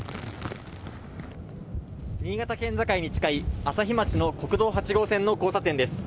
新潟県境に近い朝日町の国道８号線の交差点です。